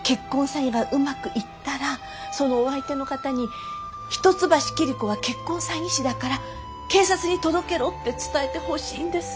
詐欺がうまくいったらそのお相手の方に一橋桐子は結婚詐欺師だから警察に届けろって伝えてほしいんです。